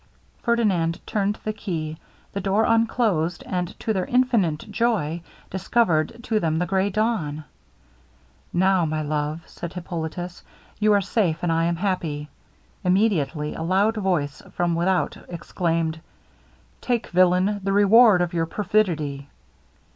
Ferdinand turned the key; the door unclosed, and, to their infinite joy, discovered to them the grey dawn. 'Now, my love,' said Hippolitus, 'you are safe, and I am happy.' Immediately a loud voice from without exclaimed, 'Take, villain, the reward of your perfidy!'